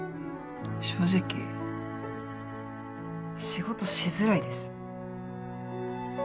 正直仕事しづらいです。